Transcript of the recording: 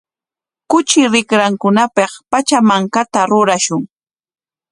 Kuchi rikrankunapik pachamankata rurashun.